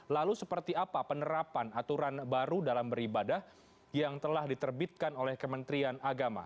lalu seperti apa penerapan aturan baru dalam beribadah yang telah diterbitkan oleh kementerian agama